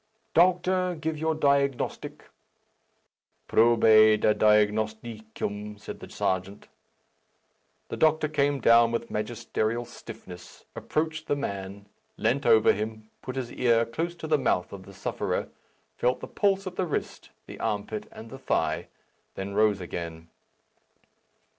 "Doctor, give your diagnostic." "Probe, da diagnosticum," said the serjeant. The doctor came down with magisterial stiffness, approached the man, leant over him, put his ear close to the mouth of the sufferer, felt the pulse at the wrist, the armpit, and the thigh, then rose again.